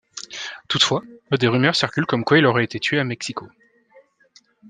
Toutefois, des rumeurs circulent comme quoi il aurait été tué à Mexico.